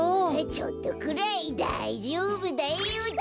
ちょっとくらいだいじょうぶだよ。